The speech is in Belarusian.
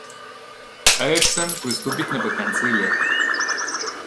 Эрыксан прыступіць напрыканцы лета.